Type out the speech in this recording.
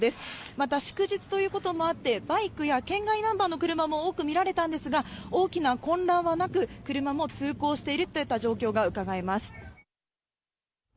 また祝日ということもあって、バイクや県外ナンバーの車も多く見られたんですが、大きな混乱はなく、車も通行しているといった状況がうかがえます。